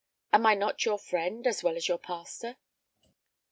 Am I not your friend as well as your pastor?"